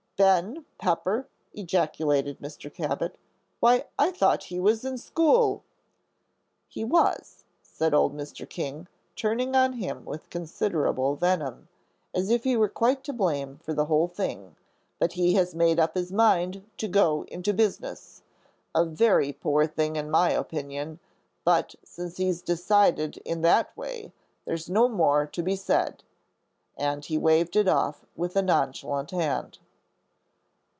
"Ben Pepper!" ejaculated Mr. Cabot. "Why, I thought he was in school." "He was," said old Mr. King, turning on him with considerable venom, as if he were quite to blame for the whole thing, "but he has made up his mind to go into business. A very poor thing in my opinion; but since he's decided it that way, there's no more to be said," and he waved it off with a nonchalant hand.